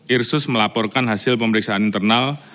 irsus melaporkan hasil pemeriksaan internal